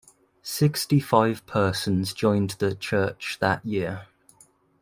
Sixty-five persons joined the church that year.